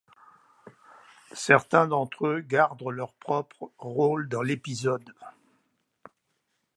Certains d'entre eux gardent leur propre rôle dans l'épisode.